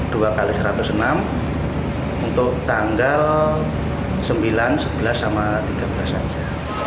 jadi dua x satu ratus enam untuk tanggal sembilan sebelas sama tiga belas saja